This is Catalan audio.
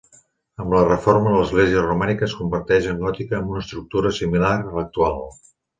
Amb la reforma, l'església romànica es converteix en gòtica amb una estructura similar a l'actual.